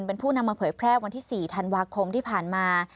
เป็นผู้นำมาเผยแพร่วันที่๔ธันวาคมที่ผ่านมา